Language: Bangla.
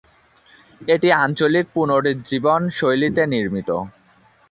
এটি আঞ্চলিক পুনরুজ্জীবন শৈলীতে নির্মিত।